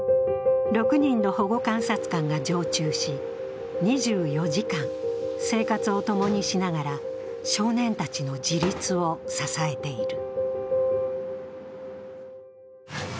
６人の保護観察官が常駐し、２４時間、生活を共にしながら少年たちの自立を支えている。